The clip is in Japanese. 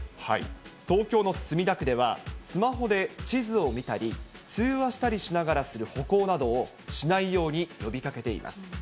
東京の墨田区では、スマホで地図を見たり、通話したりしながらする歩行などをしないように呼びかけています。